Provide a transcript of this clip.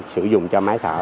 sử dụng cho máy thở